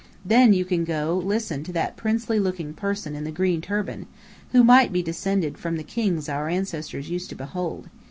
Then you can go listen to that princely looking person in the green turban, who might be descended from the kings our ancestors used to behold.